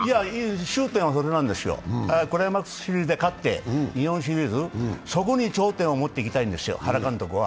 頂点はそれなんですよ、クライマックスシリーズで勝って日本シリーズ、そこに頂点を持っていきたいんですよ、原監督は。